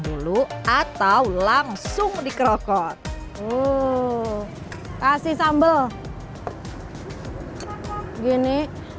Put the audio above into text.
dulu atau langsung dikerokot uh kasih sambal begini